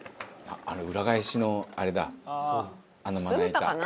「裏返しのあれだあのまな板」